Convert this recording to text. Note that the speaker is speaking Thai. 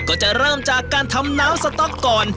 ก็จะเริ่มจากการทำน้ำสต๊อกก่อน